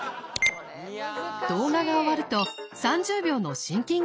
動画が終わると３０秒のシンキングタイム。